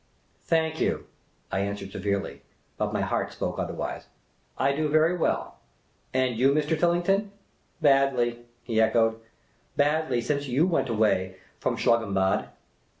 " Thank you," I answered, severely — but my heart spoke otherwise —" I do very well. And you, Mr. Tillington ?"" Badly," he echoed. Badly, since _y^?< went away from Schlangenbad."